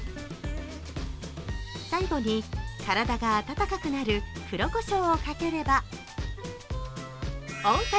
最後に体が温かくなる黒こしょうをかければ、温活！